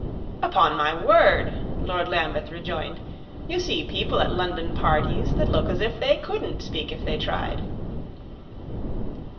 "Upon my word," Lord Lambeth rejoined, "you see people at London parties that look as if they couldn't speak if they tried."